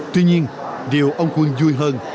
tuy nhiên điều ông quân vui hơn